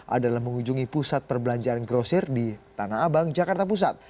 adalah mengunjungi pusat perbelanjaan grosir di tanah abang jakarta pusat